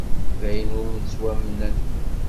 D ayen ur yettwamnen!